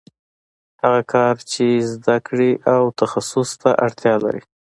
هغه کار چې زده کړې او تخصص ته اړتیا لري